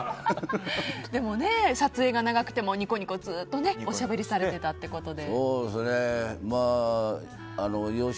撮影が長くてもニコニコずっとおしゃべりされてたということで。